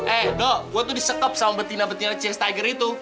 eh do gue tuh disekop sama betina betina cs tiger itu